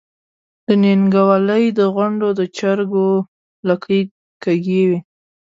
د نينګوَلۍ د غونډ د چرګو لکۍ کږې وي۔